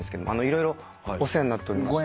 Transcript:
色々お世話になっておりまして。